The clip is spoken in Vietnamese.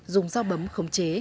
dùng giao bấm khống chế